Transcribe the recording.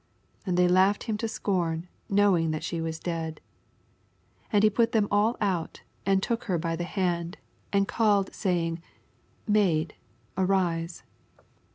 63 And they laughed him to scorn knowing that she was dead. 64 And he put them aU o^it, and took her by the hand, aLd called, LUKE, CHAP. Vm. 286 saying, Maid, arise.